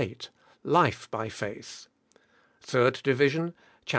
8, life by faith. Third division, Chaps.